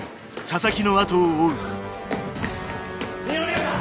二宮さん！